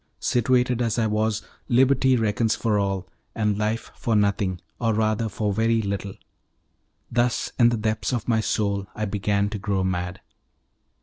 Situated as I was, liberty reckons for all, and life for nothing, or rather for very little. Thus in the depths of my soul I began to grow mad.